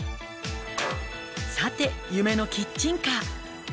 「さて夢のキッチンカー」「発表よ」